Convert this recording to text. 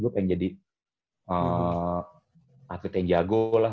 gue pengen jadi atlet yang jago lah